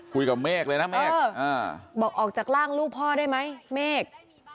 เมฆเลยนะเมฆบอกออกจากร่างลูกพ่อได้ไหมเมฆ